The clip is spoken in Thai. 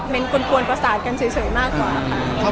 มันกลวนประสาทกันเฉยมากกว่า